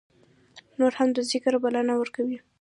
نور هم د ذکر بلنه ورکوي.